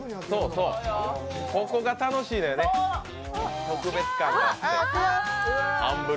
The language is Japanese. ここが楽しいのよね、特別感があって。